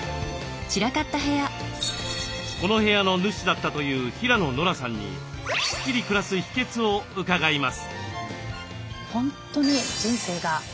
この部屋の主だったという平野ノラさんにスッキリ暮らす秘けつを伺います。